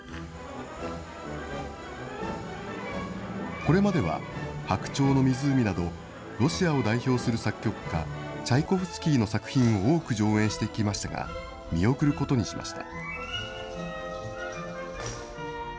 これまでは白鳥の湖など、ロシアを代表する作曲家、チャイコフスキーの作品を多く上演してきましたが、見送ることにしました。